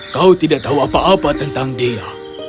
kau tidak tahu apa apa tentang dia